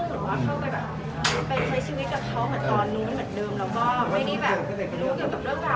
แสดงว่าโอกาสไม่ได้ไป